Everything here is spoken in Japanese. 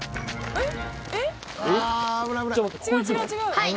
えっ。